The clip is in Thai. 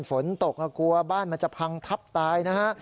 ฝนตกกลัวบ้านมันจะพังทับตายนะฮะ